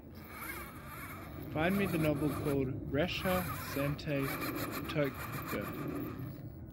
Find me the novel called Ressha Sentai ToQger